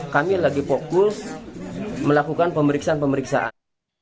kami lagi fokus melakukan pemeriksaan pemeriksaan